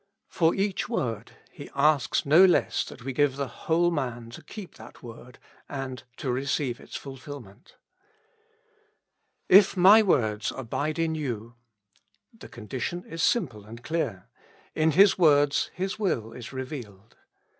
For each word He asks no less that we give the whole man to keep that word, and to receive its fulfilment. *' If my words abide in you :" the condition is sim 179 With Christ in the School of Prayer. pie and clear. In His words His will is revealed.